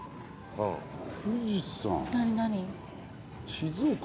静岡？